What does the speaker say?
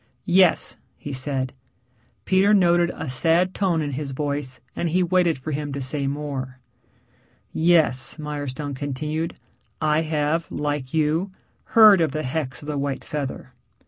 "Yes," he said. Peter noted a sad tone in his voice, and he waited for him to say more. "Yes," Mirestone continued. "I have, like you, heard of the hex of the white feather.